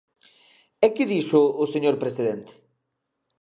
¿E que dixo o señor presidente?